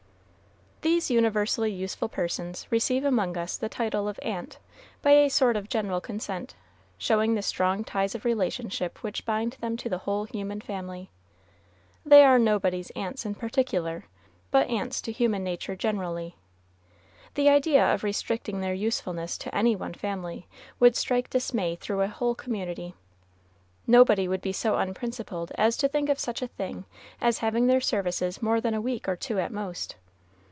These universally useful persons receive among us the title of "aunt" by a sort of general consent, showing the strong ties of relationship which bind them to the whole human family. They are nobody's aunts in particular, but aunts to human nature generally. The idea of restricting their usefulness to any one family, would strike dismay through a whole community. Nobody would be so unprincipled as to think of such a thing as having their services more than a week or two at most.